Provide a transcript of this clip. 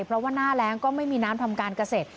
เพราะว่าหน้าแรงก็ไม่มีน้ำทำการเกษตร